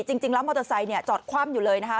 จริงแล้วมอเตอร์ไซค์จอดคว่ำอยู่เลยนะคะ